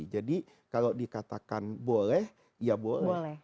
jadi kalau dikatakan boleh ya boleh